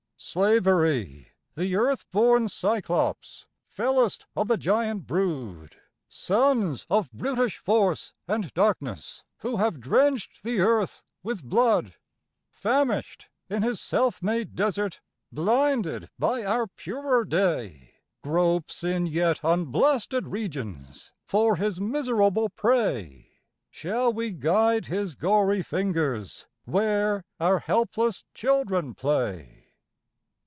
Slavery, the earth born Cyclops, fellest of the giant brood, Sons of brutish Force and Darkness, who have drenched the earth with blood, Famished in his self made desert, blinded by our purer day, Gropes in yet unblasted regions for his miserable prey;— Shall we guide his gory fingers where our helpless children play?